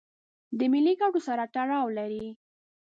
د ملي ګټو سره تړاو لري.